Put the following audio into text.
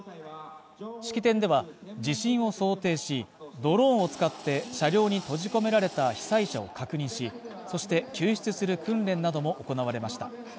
式典では、地震を想定し、ドローンを使って車両に閉じ込められた被災者を確認し、救出する訓練なども行われました。